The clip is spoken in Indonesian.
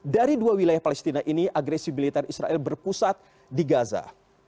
dari dua wilayah palestina ini agresi militer israel berpusat di gaza